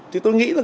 thì tôi nghĩ là